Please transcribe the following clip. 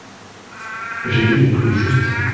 J’ai dit le prix juste.